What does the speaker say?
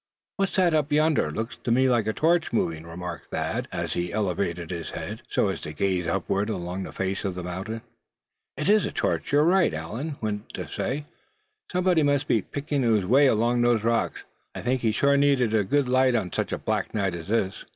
"What's that up yonder; looks to me like a torch moving?" remarked Thad, as he elevated his head, so as to gaze upward, along the face of the mountain. "It is a torch, right you are," Allan went on to say; "somebody must be picking his way along among those rocks. I'd think he'd sure need a good light on such a black night as this."